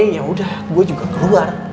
ya udah gue juga keluar